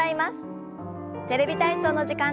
「テレビ体操」の時間です。